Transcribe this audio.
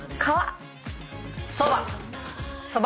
そば。